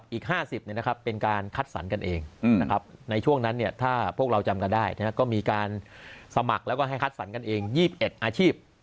อีก๕๐เป็นการคัดสรรกันเองในช่วงนั้นถ้าพวกเราจำกันได้ก็มีการสมัครแล้วก็ให้คัดสรรกันเอง๒๑อาชีพ